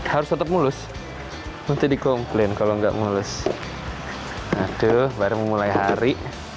harus tetap mulus nanti di komplain kalau nggak mulus aduh bareng memulai hari